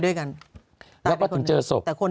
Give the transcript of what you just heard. ด้วยกันจบแล้ว